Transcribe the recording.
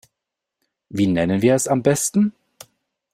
Wie nennen wir es am besten?